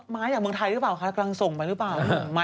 มาจากเมืองไทยหรือเปล่าคะกำลังส่งไปหรือเปล่า